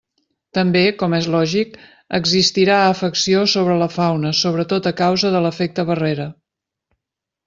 També, com és lògic, existirà afecció sobre la fauna sobretot a causa de l'efecte barrera.